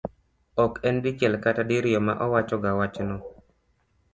ok en dichiel kata diriyo ma owachoga wachno